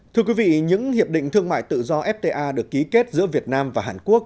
thưa quý vị những hiệp định thương mại tự do fta được ký kết giữa việt nam và hàn quốc